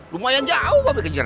lumayan jauh babe kejar